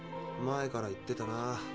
前から言ってたな。